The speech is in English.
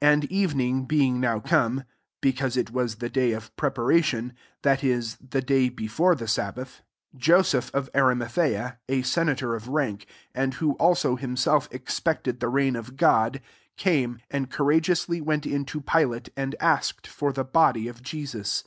42 And evening being now come, (because it was the tbty qf preparation, that is, the dtjr before the sabbath,) 43 Joseph MARK XVL lOJ of Arimatheay a senator of rank, and who also, himself expected the reign of God, came, and oeorageously went in to Pilate, and aaked for the body of Jesus.